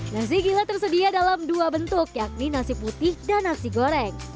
nasi gila tersedia dalam dua bentuk yakni nasi putih dan nasi goreng